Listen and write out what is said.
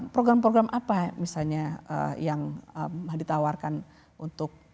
program program apa misalnya yang ditawarkan untuk